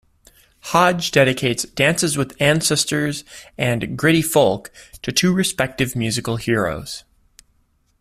Hodge dedicates "Dances with Ancestors" and "Gritty Folk" to two respective musical heroes.